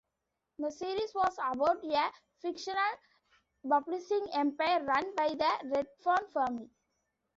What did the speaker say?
The series was about a fictional publishing empire run by the Redfern family.